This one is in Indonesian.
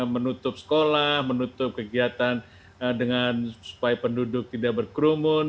menutup sekolah menutup kegiatan dengan supaya penduduk tidak berkerumun